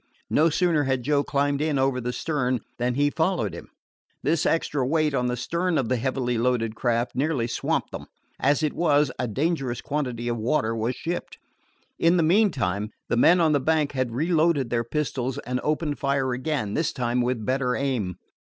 No sooner had Joe climbed in over the stern than he followed him. This extra weight on the stern of the heavily loaded craft nearly swamped them. As it was, a dangerous quantity of water was shipped. In the meantime the men on the bank had reloaded their pistols and opened fire again, this time with better aim.